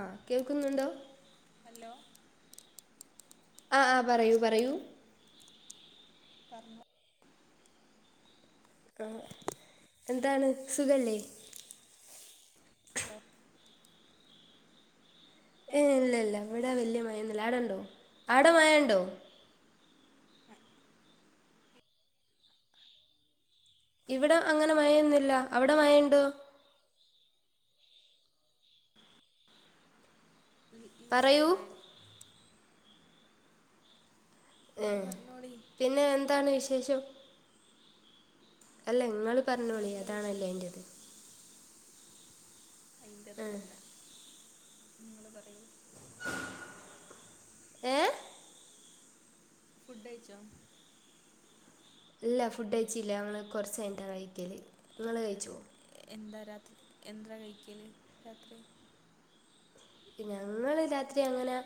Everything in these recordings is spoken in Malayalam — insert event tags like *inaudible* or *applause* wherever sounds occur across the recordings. ആഹ് കേൾക്ക്‌ന്നുണ്ടോ? ഹല്ലോ ആഹ് ആഹ് പറയൂ പറയൂ പർണെ എന്താണ് സുഖല്ലേ ഓഹ് ഏ ഏഹ് ഇല്ല ഇല്ല ഇവിടെ വലിയ മഴന്നില്ല ആടെണ്ടോ ആവിടെ മഴ ഉണ്ടോ ഇവിടെ അങ്ങനെ മഴൊന്നുല്ല അവിടെ മഴണ്ടോ ഇല്ലല്ല പറയൂ മഴ ഹെ നിങ്ങള് പറഞ്ഞോളി പിന്നെ എന്താണ് വിശേഷം അല്ല നിങ്ങൾ പറഞ്ഞോളി നല്ല അതാണല്ലേ വിശേഷം എന്റത് ആ അതിന്റെന്നല്ല നിങ്ങൾ പറയൂ ഏഹ് ഫുഡഴ്ച്ചോ? ഇല്ല ഫുഡ് കഴിച്ചില്ല നമ്മള് കൊറച്ച് കഴിഞ്ഞിട്ടാ കഴിക്കല് ഇങ്ങള് കഴിച്ചോ? എന്താ രാത് എന്തരാ കഴിക്കല് രാത്രി ഞങ്ങള് രാത്രി അങ്ങനെ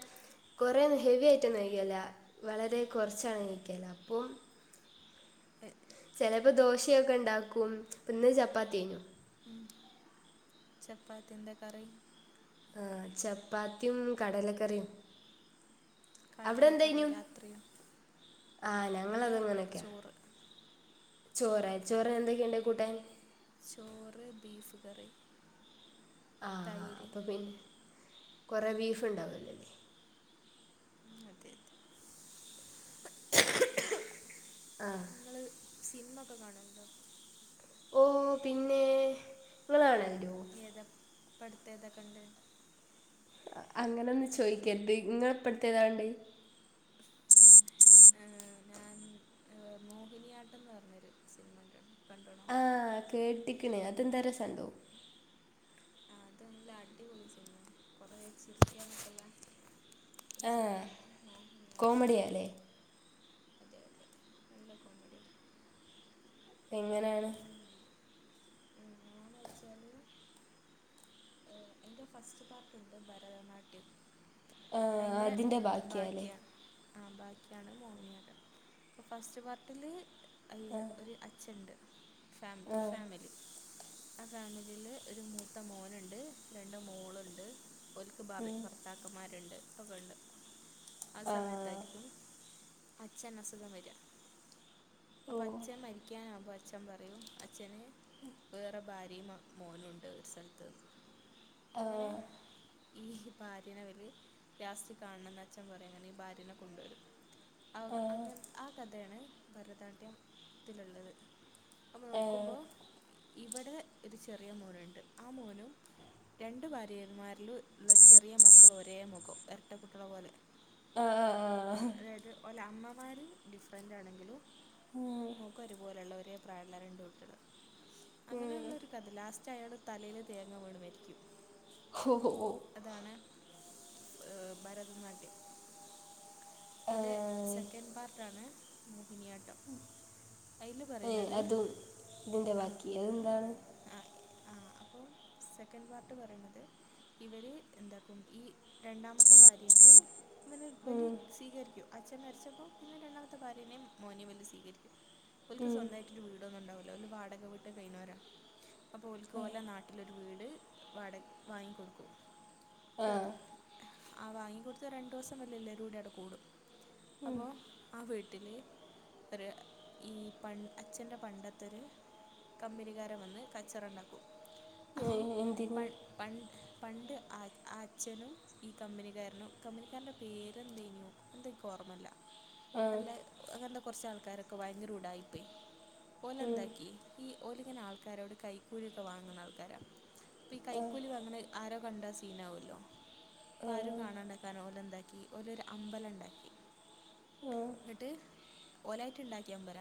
കൊറേയൊന്നും ഹെവി ആയിട്ടൊന്നും കഴിക്കല്ല വളരെ കൊറച്ചാണ് കഴിക്കല് അപ്പോം ചെലപ്പോ ദോശയൊക്കെ ഇണ്ടാക്കും പ്പ് ഇന്ന് ചപ്പാത്തിയാഞ്ഞു ഉം ചപ്പാത്തി എന്താ കറി ആഹ് ചപ്പാത്തിയും കടലക്കറിയും അവടെ കടലക്കറി എന്തായിനു രാത്രിയും ആഹ് ഇവിടെ ഞങ്ങളതങ്ങനൊക്കെയാ ചോറ് ചോറ് ചോറിന് എന്തൊക്കെയൊണ്ട് കൂട്ടാൻ ചോറ് ബീഫ് കറി ആഹ് തൈര് അപ്പ പിന്നെ കൊറേ ബീഫ് ഇണ്ടാവുവലോല്ലേ ഉം അതെ അതെ ആഹ് നിങ്ങള് സിനിമക്കെ കാണു *unintelligible* ഓഹ് പിന്നെ നിങ്ങള് *unintelligible* ഏതാ ഇപ്പടുത്തെതാ കണ്ടേ അങ്ങനെ ഒന്നും ചോദിക്കരുത് ഇങ്ങള് ഇപ്പടുത്തെതാ കണ്ടേ ഉം ഉം ആഹ് ഞാൻ മോഹിനിയാട്ടം ന്ന് പറഞ്ഞൊരു സിനിമ *inaudible* ആഹ് കേട്ടിക്കണ് അതെന്താ രസം ഉണ്ടോ ആഹ് അത് നല്ല അടിപൊളി സിനിമയാ കൊറെ ചിരിക്കാനൊക്കള്ളെ ആഹ് കോമഡിയാല്ലേ? അതെ അതെ നല്ല കോമഡിയാ എങ്ങനാണ് എങ്ങനെയാന്ന് വെച്ചാല് അതിൻ്റെ ഫസ്റ്റ് പാർട്ടോണ്ട് ഭരതനാട്യം. ആ അയിന്റെ അതിൻ്റെ ബാക്കിയാല്ലേ ബാക്കിയ ആഹ് ബാക്കിയാണ് മോഹിനിയാട്ടം അപ്പോം ഫസ്റ്റ് പാർട്ടില് അയ്യ ഒരു അച്ഛണ്ട് ഫാമ് ഒരു ആ ഫാമിലി ആഹ് ഫാമിലില് ഒരു മൂത്ത മോനുണ്ട് രണ്ട് മോളുണ്ട് ഓല്ക്ക് ഭാ ത്താക്കന്മാരുണ്ട് ഒക്കെണ്ട് ആ സമയത്താരിക്കും അച്ഛന് അസുഖം വരിക അപ്പ ഓ അച്ഛൻ മരിക്കാനാകുമ്പോ അച്ഛൻ പറയും അച്ഛന് വേറെ ഭാര്യയും മോനുണ്ട് ഒരു സ്ഥലത്ത്ന്ന് ആ അങ്ങനെ ഈ ഭാര്യനെ ഓല് ലാസ്റ്റ് കാണണംന്ന് അച്ഛൻ പറയും അങ്ങനെ ഈ ഭാര്യനെ കൊണ്ടുവരും ആഹ് ആ അങ്ങനെ ആ കഥയാണ് ഭരതനാട്യത്തിലുള്ളത് അപ്പൊ ഏ നോക്കുമ്പോ ഇവടെ ഒരു ചെറിയ മോനുണ്ട് ആ മോനും രണ്ട് ഭാര്യന്മാരില് ഇള്ള ചെറിയ മക്കള് ഒരേ മുഖോം ഇരട്ടക്കുട്ടികളെ പോലെ ആഹ് ആഹ് അതായത് ഓലെ അമ്മമാർ ഡിഫറൻ്റ് ആണെങ്കിലും ഉം, മുഖോ ഒരു പോലെയുള്ള ഒരേ പ്രായമുള്ള രണ്ട് കുട്ടികള് ഉം. അങ്ങനെള്ളൊരു കഥ ലാസ്റ്റ് അയാള് തലെല് തേങ്ങ വീണ് മരിക്കും. ഓഹ് ഓഹ് അതാണ് ഏഹ് ഭരതനാട്യം. ആ, അയിൻ്റെ സെ ക്കൻഡ് പാർട്ടാണ് മോഹിനിയാട്ടം. അതിൽ ഏയ് പറയുന്നത് അതും ഇതിൻ്റെ ബാക്കി അതെന്താണ് ആഹ് ആഹ് അപ്പം സെക്കൻഡ് പാർട്ട് പറയുന്നത് ഇവര് എന്താക്കും ഈ രണ്ടാമത്തെ ഭാര്യക്ക് ഇവല് ഇവല് ഉം, സ്വീകരിക്കും അച്ഛൻ മരിച്ചപ്പോ പിന്നെ രണ്ടാമത്തെ ഭാര്യനെ മോനെ ഇവല് സ്വീകരിക്കും ഓല്ക്ക് ഉം. സ്വന്തായി വീടൊന്നും ഇണ്ടാവുല്ല ഓല് വാടക വിട്ട് കഴിഞ്ഞോരാ അപ്പൊ ഓല്ക്ക് ഓലെ നാ ട്ടിലൊരു വീട് വാട വാങ്ങി കൊടുക്കും ആഹ് ആ വാങ്ങിക്കൊടുത്ത രണ്ട് ദിവസം ഇവല് എല്ലരൂടെ അവിടെ കൂടും അപ്പോ ആ വീട്ടില് ഒര് ഈ പ അച്ഛന്റെ പണ്ടത്തൊര് കമ്പനികാരൻ വന്ന് കച്ചറണ്ടാക്കും ഏ, പ എന്തിന് പണ്ട് പണ്ട് ആ ആച്ഛനും ഈ കമ്പനിക്കാരനും കമ്പനിക്കാരൻ്റെ പേരെന്തേനു എന്തപ്പോ ഓർമ്മല്ല ആ നല്ല അങ്ങനത്തെ കുറച്ച് ആൾക്കാരൊക്കെ ഭയങ്കര ഉടായിപ്പെ ഓലെ ആ എന്താക്കി ഈ ഓലിങ്ങനെ ആൾക്കാരോട് കൈക്കൂലിയൊക്കെ വാങ്ങുന്ന ആൾക്കാരാ അപ്പ ഈ കൈക്കൂലി വാങ്ങ്ണ ആരോ കണ്ടാ സീനാവല്ലോ അപ്പോ അരോ കാണാണ്ടാക്കാൻ ഓലെന്താക്കി ഓലൊരു അമ്പലണ്ടാക്കി ന്ന്ട്ട് ഓലായിട്ട് ഇണ്ടാക്കിയ അമ്പല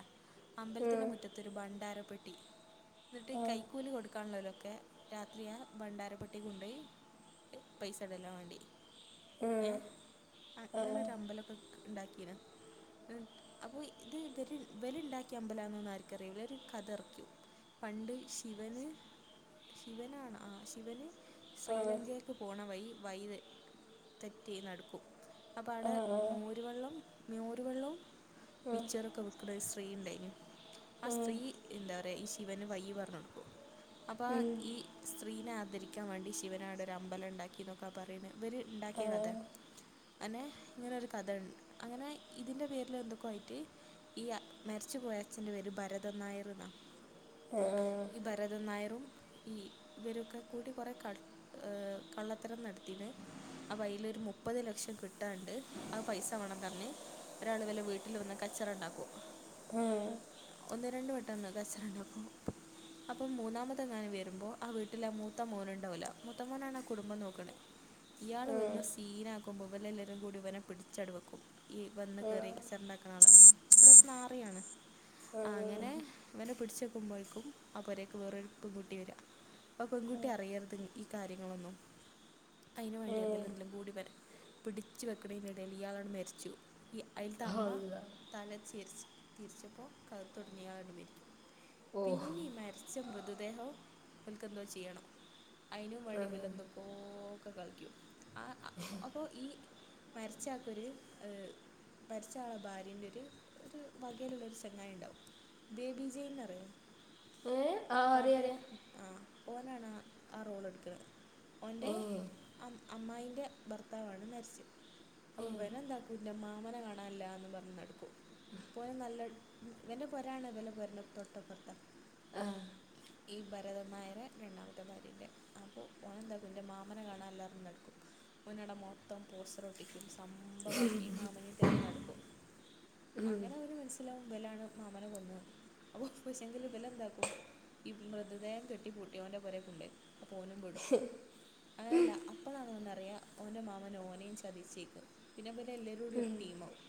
അമ്പലത്തിന്റെ മുറ്റ ത്തൊരു ഭണ്ഡാരപെട്ടി ഇന്നിട്ട് കൈക്കൂലി കൊടുക്കാണുള്ളൊലോക്കെ രാത്രിയാ ഭണ്ഡാരപ്പെട്ടി കൊണ്ടോയി പൈസ ഇടല്ലാ വേണ്ടി ഏഹ് ആ ആ ആ അങ്ങനൊരാ അമ്പലൊക്കെ ഇണ്ടാക്കീണ് അപ്പോ ഇത് ഇവല് ഇവിലുണ്ടാക്കിയ അമ്പലാന്നൊന്നും ആർക്കറിയൂല്ല ഒരു കഥ അറക്കി പണ്ട് ശിവന് ശിവനാണ് ആ ശിവന് ശ്രീലങ്കയ്ക്ക് പോണ വൈ വൈ തെറ്റി നടുക്കും അപ്പ ആ അവിടെ മോരുവെള്ളം മോരുവെള്ളവും മിച്ചറൊക്കെ വിക്കുന്ന ഒരു സ്ത്രീ ഇണ്ടായിനൂ ആ ഉം, സ്ത്രീ എന്താ പറയ ഈ ശിവന് വയ്യ് പറഞ്ഞ് കൊടുക്കും അപ്പം ആ ഉം. ഈ സ്ത്രീനെ ആദരിക്കാൻ വേണ്ടി ശിവന് അവിടെ ഒരു അമ്പലണ്ടാക്കി എന്നൊക്കെ പറയ്ണ ഇവര് ആ ഇണ്ടാക്കിയ കഥ അനെ ഇങ്ങനെ ഒരു കഥയുണ്ട് അങ്ങനെ ഇതിൻ്റെ പേരില് എന്തൊക്കെ ആയിട്ട് ഈ മരിച്ചുപോയ അച്ഛൻ്റെ പേര് ഭരതൻ നായർ എന്നാ ആഹ് ഭരതൻ നായറും ഈ ഇവരൊക്കെ കൂട്ടി കുറേ ക കള്ളത്തരം നടത്തിണ് അപ്പ അയില് ഒരു മുപ്പത് ലക്ഷം കിട്ടാണ്ട് ആ പൈസ വേണം പറഞ്ഞ് ഒരാള് ഇവലെ വീ ട്ടില് വന്ന് കച്ചറണ്ടാക്കും ആ ആ ഒന്ന് രണ്ട് വട്ടം വന്ന് കച്ചറണ്ടാക്കും അപ്പം മൂന്നാമത്തെ മോൻ വരുമ്പോ ആ വീട്ടില് ആ മൂത്ത മോന്ണ്ടാവല്ലോ മൂത്ത മോനാണ് ആ കുടുംബം നോക്ക്ണേ ഇയാള് വന്ന് സീനാക്കുമ്പോ ഇവല് എല്ലാരും കൂടി ഇവനെ പിടിച്ചാണ്ട് വെക്കും ഈ വന്ന് കേറി *unintelligible* ഇവൻ ഒരു നാറിയാണ് ആ അങ്ങനെ ഇവനെ പിടിച്ചെക്കുമ്പോഴേക്കും ആ പോരേക്ക് വേറൊരു പെൺകൂട്ടി വര ആ പെൺകുട്ടി അറിയരുത് ഈ കാര്യങ്ങളൊന്നും അയ്ന് വേണ്ടി എന്തേലം എല്ലാം കൂടി വരാ പിടിച്ചു വെക്കണേൻ്റ എടയിൽ ഇയാളാണ്ട് മരിച്ചു ഈ അയ്ത്തെ ആ അമ്മ അള്ളാ തല ചെരിച്ച് തീരിച്ചപ്പോ കുഴുത്ത് ഒടിഞ്ഞിങ്ങാണ്ട് മരിക്കും ഓ പിന്നിം മരിച്ച മൃതദേഹം ഇവിൽക്കെന്തോ ചെയ്യണം അയിനും വേണ്ടി ആ ഇവലന്തൊ ഓഹ് ക്കെ കളിക്കും അപ്പോ ഈ മരച്ചാക്കൊര് മരിച്ച ആളെ ഭാര്യന്റെയൊരു ഒരു വകയിലുള്ളൊരു ചെങ്ങായിണ്ടാവും. ബേബിജെയ്ന്നറിയോ ഏഹ് ആ അറിയാം പാട്ട് അറിയാം ആ ഓനാണാ ആ റോളെടുക്കണെ ഓന്റെ അം അമ്മായിൻ്റെ ഭർത്താവാണ് മരിച്ചത്. അപ്പൊ ഇവനെന്താക്കു ഇന്റെ മാമനെ കാണാനില്ലാന്നു പറഞ്ഞു നടക്കും. പോയാ നല്ല ഇവന്റെ പെരാണ് ഇവൻറ്റെ പൊരേന്റെ തൊട്ടപ്പുറത്തെ ആഹ് ഈ ഭരതന്നായരെ രണ്ടാമത്തെ ഭാര്യന്റേ അപ്പൊ ഓനെന്താക്കും ഇന്റെ മാമനെ കാണാൻ ഇല്ലാന്ന് പറഞ്ഞടക്കും ഓനവിടെ മൊത്തം പോസ്റ്ററൊട്ടിക്കും സംഭവാക്കി ഈ മാമനെ തെരഞ്ഞ് നടക്കും. അങ്ങനെ ഓന് മനസ്സിലാവും ഇബലാണ് മാമനെ കൊന്നത് അപ്പൊ പക്ഷേങ്കില് ഇബലെന്താക്കും ഈ മൃതദേഹം കെട്ടിപൂട്ടി ഓന്റെ പെരെക്കൊണ്ടൊയ് അപ്പോ ഓനുംപെടും അതല്ലാ അപ്പളാണ് ഓനറിയാ ഓന്റെ മാമന് ഓനേയും ചതിച്ചേക്കാ പിന്നെ പിന്നെ എല്ലാരൂടീ ഒരു ടീമാവും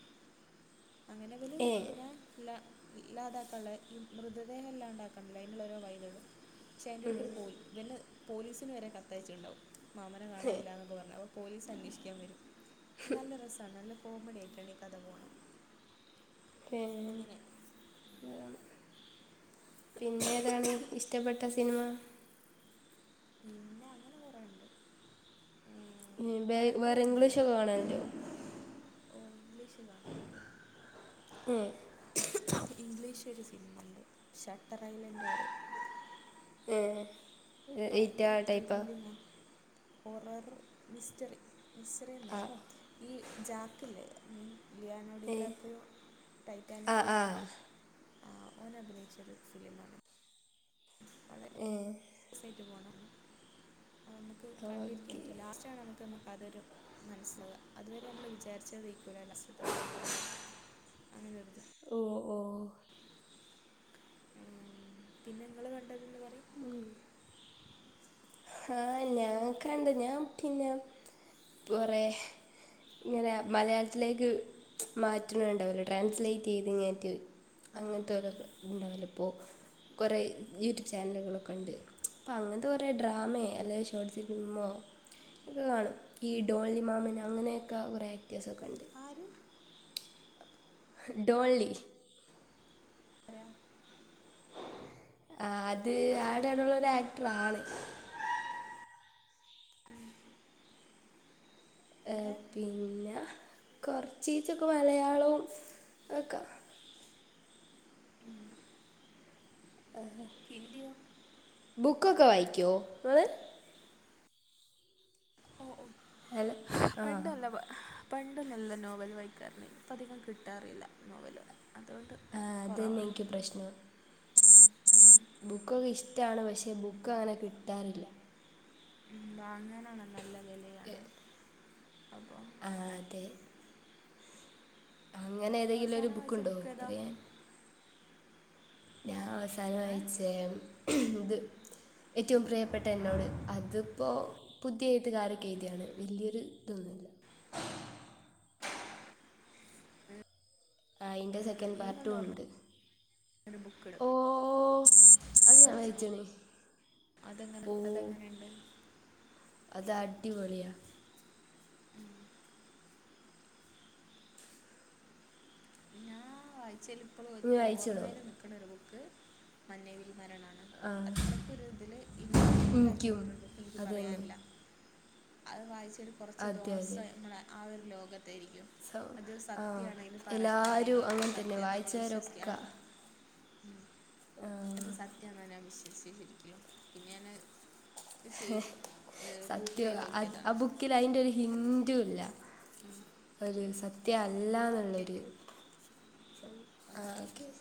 അങ്ങനെ ഇബല് ഏഹ് ഇതിനെ ഇല്ലാ ഇല്ലാതാക്കാനൊള്ള ഈ മൃതദേഹം ഇല്ലാണ്ടാക്കാനൊള്ള അയിനുള്ള ഓരോ വഴികള് ഇച്ചായന്റെ അടുത്തുവരെ പോയി. ഇവന് പോലീസിനുവരെ കത്തയച്ചിണ്ടാവും മാമനെ ഏഹ് കാണാനില്ലാ എന്നൊക്കെപറഞ്ഞ് അപ്പൊ പോലീസ് അന്വേഷിക്കാൻ വരും നല്ല രസാണ് നല്ല കോമഡിയായിട്ടാണ് ഈ കഥ പോണേ ഏ പിന്നെയേതാണ് ഇഷ്ട്ടപ്പെട്ട സിനിമ പിന്നെ അങ്ങനെ കൊറെയൊണ്ട്. ഉം വേ വേറെ ഇംഗ്ലീഷൊക്കെ കാണലൊണ്ടോ. ഓ ഇംഗ്ലീഷ് ഏഹ് *unintelligible* ഇംഗ്ലീഷൊരു സിനിമയൊണ്ട് ഷട്ടർ ഐലൻഡ് *inaudible* ഏ ഭയങ്കര ത്രില്ലിങ്ങാ ഹോറർ മിസ്റ്ററി മിസ്റ്ററി ആ എന്നുപറയും ഈ ജാക്കില്ലേ ലിയാനൊ ഏഹ് ഡികാപ്രിയോ ആ ടൈറ്റാനിക്കിലെ ആ ആ ഓനഭിനയിച്ചൊരു ഫിലിമാണ്. അതെ ഏ ഹസ്സായിട്ട് പോണം അത് നമുക്ക് കണ്ടിരിക്കാൻ ഓക്കെ പറ്റും ലാസ്റ്റാണ് നമുക്കൊന്ന് പലരും മനസ്സിലാവുക അതുവരെ നമ്മള് വിചാരിച്ചതായിരിക്കൂല ലാസ്റ്റിത്തെ ആങ്ങനെയൊരു ഓ ഓ ഉം, പിന്നെ ഇങ്ങള് കണ്ടതൊന്ന് പറയ് ആ ഞാൻ കണ്ട് ഞാൻ പിന്നെ കൊറേ ഇങ്ങനെ മലയാളത്തിലേക്ക് മാറ്റണൊണ്ടാവുല്ലേ ട്രാൻസ്ലേറ്റുചെയ്തിങ്ങാറ്റ് ആ ആ. അങ്ങനത്തൊരോന്ന് ഉണ്ടാവില്ലപ്പോ കൊറേ യൂട്യൂബ് ചാനലുകളൊക്കെയൊണ്ട് അങ്ങനത്തെ കൊറേ ഡ്രാമെ അല്ലെങ്കി ഷോർട്ട് ഫിലിമോ ഇതു കാണും ഈ ഡോളി മാമിന് അങ്ങനെയൊക്കെ കൊറെ ആക്ടേഴ്സൊക്കെണ്ട്. ആര് ഡോള്ളി *inaudible* ആ അത് ആടെള്ളൊരു ആക്ടറാണ്. പിന്നെ പിന്നെ കുറച്ചീച്ചൊക്കെ മലയാളവും ഒക്കെ- ആഹാ കിണ്ടിയൊ ബുക്കൊക്കെ വായിക്കോ ഇങ്ങള് ഓ ഓ അല്ല ആ പണ്ട് നല്ല വ- പണ്ട് നല്ല നോവൽ വായിക്കുവാരുന്നേ ഇപ്പ അധികം കിട്ടാറില്ല നോവല് അതുകൊണ്ട്- ആഹ് അതന്നെ കുറവാണ് എനിക്ക് പ്രശ്നം ഉം. ബുക്കൊക്കെ ഇഷ് ടാണ് പക്ഷേ ബുക്ക് അങ്ങനെ കിട്ടാറില്ല വാങ്ങാനാണെ നല്ല വെലയാണ് അപ്പം ആ ആതെ അങ്ങനെ ഏതെങ്കിലും ഒരു അവസാനം വായിച്ച ബുക്കുണ്ടോ ബുക്ക് ഏതാ പറയാൻ ഞാൻ അവസാനം ഏഹ് വായിച്ചേ ഇത് ഏറ്റവും പ്രിയപ്പെട്ട എന്നോട് അതിപ്പോ- പുതിയ എഴുത്തുകാരൊക്കെ എഴുതിയാണ് വലിയൊരു ഇതൊന്നുയില്ല ആഹ് അതിന്റെ സെക്കൻഡ് ഈവൽ പാർട്ടും എന്ന് പറഞ്ഞ ഒണ്ട് ഒരു ബുക്ക് ഓം അത് ഞാൻ വായിച്ചോ വായിച്ചണ് അതെങ്ങനെ ഓം അതെങ്ങനെയുണ്ട് അത് അടിപൊളിയാ ആ വായിച്ചേല് ഇപ്പളും നീ ഏറ്റവും വായിച്ചണോ ഓർമ്മയില് നിൽക്കണ ഒരു ബുക്ക് മഞ്ഞിൽ വീണ മരണാ അത്രക്കൊരു ഇതില് ഇമ്പാക്ട് ഉണ്ടാക്കിയ എനിക്കും വേറേ ഒരു എനിക്ക് അത് തന്നെ പറയാനില്ല അത് വായിച്ച ഒരു കൊറച്ച് അതെ അതെ ദെവസം നമ്മടെ ആഹ് ഒരു ലോകത്തായിരിക്കും സോ അത് ആ സത്യയാണേല് പറ എല്ലാവരും കാര്യങ്ങളൊക്കെ അങ്ങനെ തന്നെ സത്യാന്ന് നമ്മള് വിശ്വസിക്കാം വായിച്ചവരൊക്കെ ആഹ് ഉം ആ, അത് സത്യാന്നാ ഞാൻ വിശ്വസിച്ചെ ശരിക്കും പിന്നെ ഞാന്- സത്യവാ അത് ആഹ് ആ നോക്കിയതാണ് ബുക്കില് അയിന്റെ ഒരു ഹിന്റു ഇല്ല ഉം. ഒരു ഉം. സത്യ എന്നാൽ ഓക്കെ അല്ലാന്നുള്ളൊരു ഓക്കെ ഓക്കെ ആകെ-